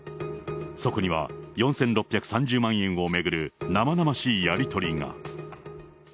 そこには４６３０万円を巡る生々しいやり取りが。